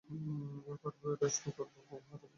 করবো, অ্যারেস্টও করবো, প্রমাণ হাতে পেলেই।